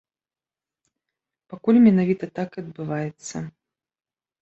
Пакуль менавіта так і адбываецца.